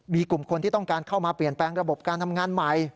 มีกลุ่มคนที่ต้องการเข้ามาเปลี่ยนแปลงระบบการทำงานใหม่